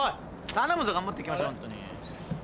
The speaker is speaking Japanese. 頼むぞ頑張っていきましょうホントに。